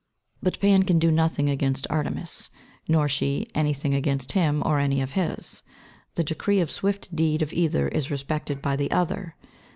But Pan can do nothing against Artemis, nor she anything against him or any of his. The decree or swift deed of either is respected by the other.